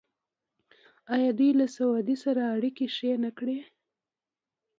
آیا دوی له سعودي سره اړیکې ښې نه کړې؟